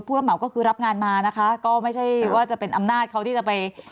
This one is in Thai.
รับเหมาก็คือรับงานมานะคะก็ไม่ใช่ว่าจะเป็นอำนาจเขาที่จะไป